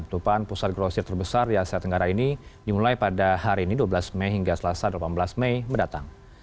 tutupan pusat grosir terbesar di asia tenggara ini dimulai pada hari ini dua belas mei hingga selasa delapan belas mei mendatang